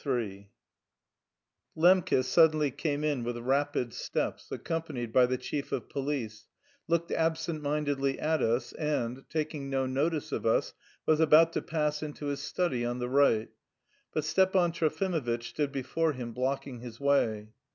II Lembke suddenly came in with rapid steps, accompanied by the chief of police, looked absent mindedly at us and, taking no notice of us, was about to pass into his study on the right, but Stepan Trofimovitch stood before him blocking his way.